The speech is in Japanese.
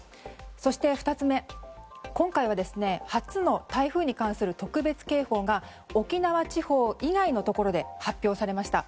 そして２つ目今回は初の、台風に関する特別警報が沖縄地方以外のところで発表されました。